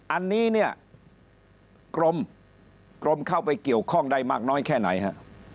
อันนี้เนี่ยกรมเข้าไปเกี่ยวข้องได้มากน้อยแค่ไหนฮะ